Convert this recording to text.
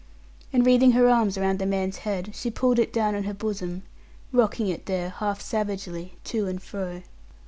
And wreathing her arms around the man's head, she pulled it down on her bosom, rocking it there, half savagely, to and fro.